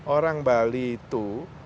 orang bali itu